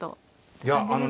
いやあのね